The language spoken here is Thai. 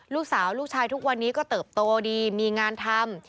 ลูกชายลูกชายทุกวันนี้ก็เติบโตดีมีงานทำ